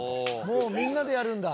もうみんなでやるんだ。